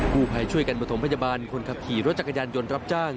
ผู้ภัยช่วยกันประถมพยาบาลคนขับขี่รถจักรยานยนต์รับจ้าง